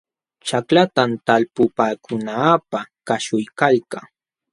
Ćhaklatam talpupaakunaapaq kaśhuykalkaa.